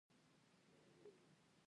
دا ټیم له څو ډوله خلکو څخه جوړیږي.